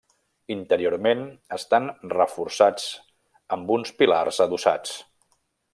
Interiorment estan reforçats amb uns pilars adossats.